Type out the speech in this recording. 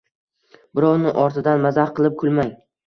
Birovning ortidan mazax qilib kulmang.